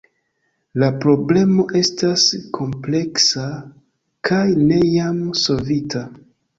La problemo estas kompleksa kaj ne jam solvita.